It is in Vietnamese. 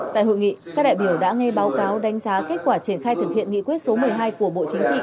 tại hội nghị các đại biểu đã nghe báo cáo đánh giá kết quả triển khai thực hiện nghị quyết số một mươi hai của bộ chính trị